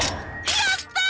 やったー！